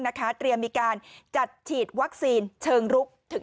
เตรียมมีการจัดฉีดวัคซีนเชิงรุก